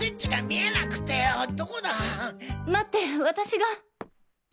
待って私が。